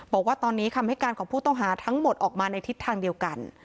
บอกว่าตอนนี้คำให้การของผู้ต้องหาทั้งหมดออกมาในทิศทางเดียวกัน